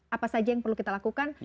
apa saja yang perlu kita lakukan